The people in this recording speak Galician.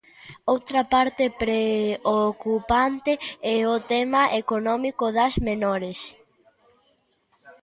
Outra parte preocupante é o tema económico das menores.